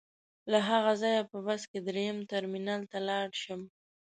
له هغه ځایه په بس کې درېیم ټرمینل ته لاړ شم.